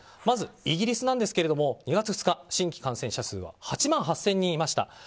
まずイギリスなんですけども２月２日新規感染者数は８万８０００人いました。